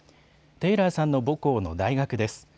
テイラーさんの母校の大学です。